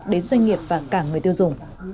đến doanh nghiệp và cả người tiêu dùng